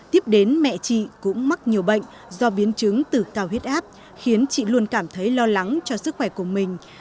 tiếp đến mẹ chị cũng mắc nhiều bệnh do biến chứng tử cao huyết áp khiến chị luôn cảm thấy lo lắng cho sức khỏe của mình